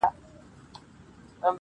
او یقین لرم چي هر چا چي ورسره پېژندل -